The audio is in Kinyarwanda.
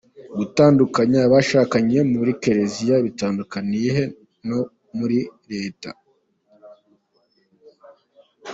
Gutandukanya abashakanye muri Kiliziya bitandukaniye he no muri Leta?.